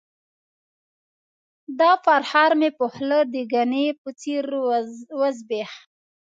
دا پرهار مې په خوله د ګني په څېر وزبیښ.